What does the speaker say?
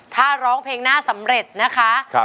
ถ้าร้องเพลงหน้าสำเร็จนะคะ